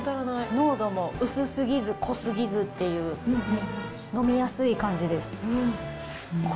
濃度も薄すぎず濃すぎずっていうね、飲みやすい感じです。